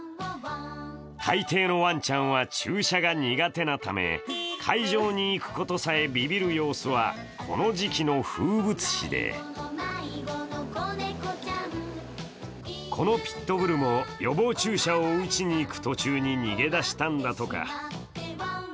たいていのワンちゃんは、注射が苦手なため会場に行くことさえビビる様子はこの時期の風物詩でこのピット・ブルも予防注射を打ちに行く途中に逃げ出したんだとか。